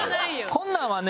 こんなのはね